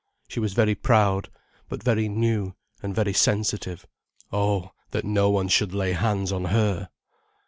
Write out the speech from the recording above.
She was very proud, but very new, and very sensitive. Oh, that no one should lay hands on her!